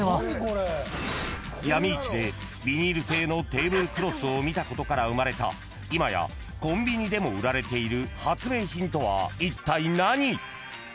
［闇市でビニール製のテーブルクロスを見たことから生まれた今やコンビニでも売られている発明品とはいったい何？］